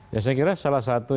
ya saya kira salah satu